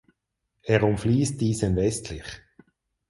Er umfließt diesen westlich.